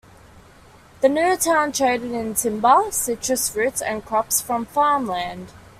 The new town traded in timber, citrus fruits and crops from farmland.